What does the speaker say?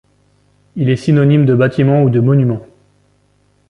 Il est synonyme de bâtiment ou de monument.